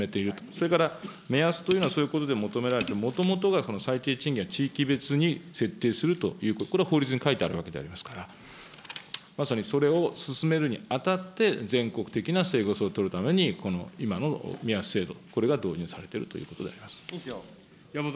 それから目安というのは、そういうことで求められて、もともとが最低賃金は地域別に設定するという、これは法律に書いてあるわけでありますから、まさにそれを進めるにあたって、全国的な整合性を取るために、今の目安制度、これが導入されているということであります。